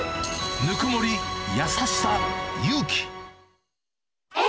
ぬくもり、優しさ、勇気。